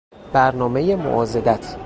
برنامهی معاضدت